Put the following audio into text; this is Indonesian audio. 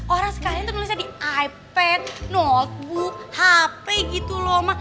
orang sekalian tuh nulisnya di ipad notebook hp gitu loh mama